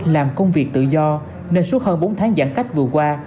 làm công việc tự do nên suốt hơn bốn tháng giãn cách vừa qua